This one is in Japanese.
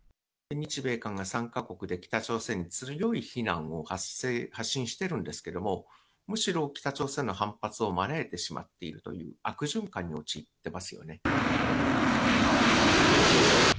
日米韓が３か国で北朝鮮に強い非難を発信してるんですけれども、むしろ北朝鮮の反発を招いてしまっているという、悪循環に陥ってますよね。